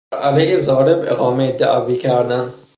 بر علیه ضارب اقامهی دعوی کردن